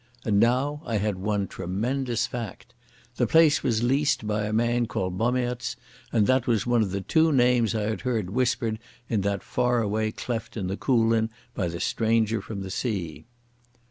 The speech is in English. And now I had one tremendous fact. The place was leased by a man called Bommaerts, and that was one of the two names I had heard whispered in that far away cleft in the Coolin by the stranger from the sea.